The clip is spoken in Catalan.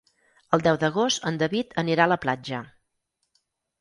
El deu d'agost en David anirà a la platja.